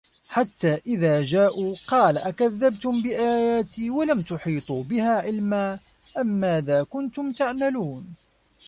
حَتّى إِذا جاءوا قالَ أَكَذَّبتُم بِآياتي وَلَم تُحيطوا بِها عِلمًا أَمّاذا كُنتُم تَعمَلونَ